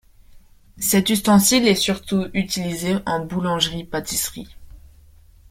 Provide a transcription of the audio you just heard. Cet ustensile est surtout utilisé en boulangerie-pâtisserie.